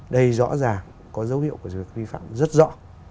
đây rõ ràng có dấu hiệu của sự vi phạm rất rõ